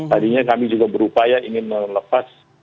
tadinya kami juga berupaya ingin melepas